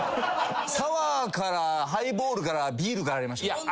サワーからハイボールからビールからありました。